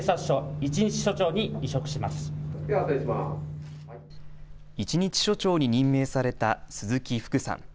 一日署長に任命された鈴木福さん。